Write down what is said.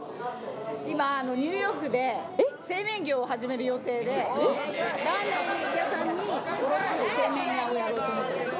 今ニューヨークで製麺業を始める予定で、ラーメン屋さんに卸す製麺屋をやろうと思ってます。